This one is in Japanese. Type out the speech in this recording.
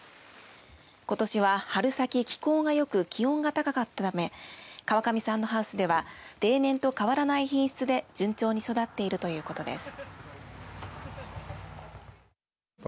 ことしは、春先、気候がよく気温が高かったため川上さんのハウスでは例年と変わらない品質で順調に育っているということです。